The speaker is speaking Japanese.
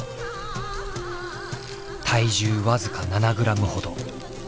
体重僅か７グラムほど。